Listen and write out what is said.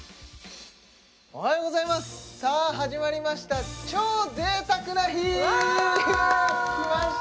おはようございますさあ始まりました超贅沢な日きました！